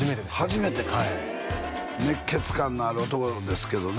初めてかはい熱血感のある男ですけどね